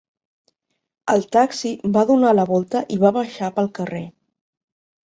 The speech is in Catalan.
El taxi va donar la volta i va baixar pel carrer.